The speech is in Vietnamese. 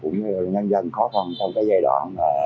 nhân dân khó khăn trong giai đoạn